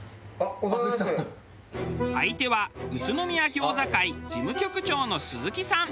相手は宇都宮餃子会事務局長の鈴木さん。